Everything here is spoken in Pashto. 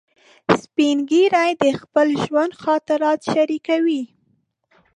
سپین ږیری د خپل ژوند خاطرات شریکوي